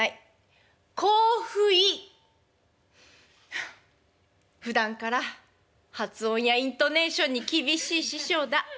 「はあふだんから発音やイントネーションに厳しい師匠だ。